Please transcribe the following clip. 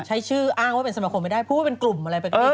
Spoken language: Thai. ใช้ชื่ออ้างว่าเป็นสมาคมไม่ได้พูดว่าเป็นกลุ่มอะไรแบบนี้